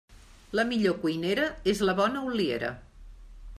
La millor cuinera és la bona oliera.